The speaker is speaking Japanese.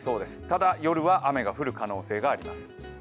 ただ夜は雨が降る可能性があります。